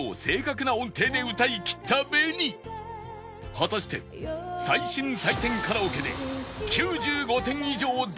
果たして最新採点カラオケで